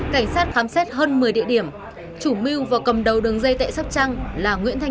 cảnh sát khám xét hơn một mươi địa điểm chủ mưu và cầm đầu đường dây tại sóc trăng là nguyễn thanh